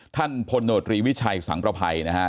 ท่านพลโนตรีวิชัยสังประภัยนะฮะ